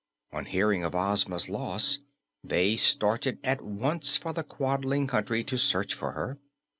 On hearing of Ozma's loss, they started at once for the Quadling Country to search for her.